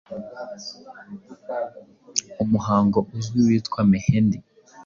umuhango uzwi witwa Mehendi